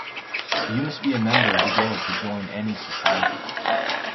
You must be a member of the Guild to join any societies.